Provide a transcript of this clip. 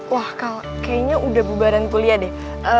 wah kayaknya udah bubaran kuliah deh